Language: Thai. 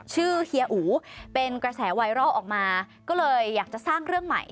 เฮียอูเป็นกระแสไวรัลออกมาก็เลยอยากจะสร้างเรื่องใหม่